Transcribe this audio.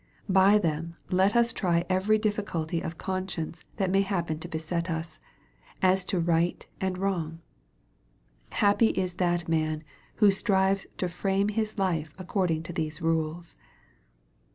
By them let us try every difficulty of conscience that may happen to beset us, as to right and wrong. Happy is that man who strives to frame his life accord ing to these rules.